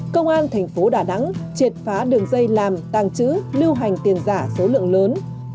công an thành phố đà nẵng triệt phá đường dây làm tàng trữ lưu hành tiền giả số lượng lớn